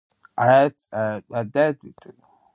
Pa saber si trai güevu, hai que mete-y el deu.